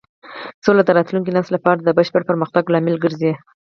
سوله د راتلونکي نسل لپاره د بشپړ پرمختګ لامل ګرځي.